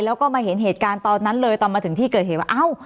แล้วก็มาเห็นเหตุการณ์ตอนนั้นเลยตอนมาถึงที่เกิดเหตุว่าเอ้า